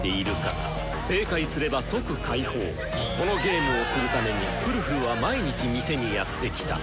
このゲームをするためにフルフルは毎日店にやって来た。